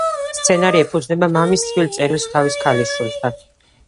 სცენარი ეფუძნება მამის თბილ წერილს თავის ქალიშვილთან.